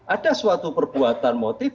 ada suatu perbuatan motif